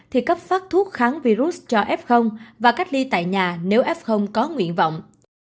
thì cấp phát thuốc kháng virus cho f và cách ly tại nhà nếu f có nguyện vọng